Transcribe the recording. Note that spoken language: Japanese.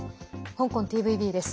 香港ＴＶＢです。